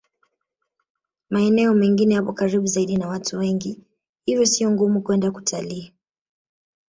Maeneo mengine yapo karibu zaidi na watu wengi hivyo sio ngumu kwenda kutalii